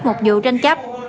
một vụ tranh chấp